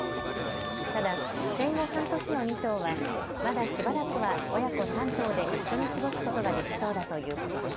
ただ、生後半年の２頭はまだしばらくは親子３頭で一緒に過ごすことができそうだということです。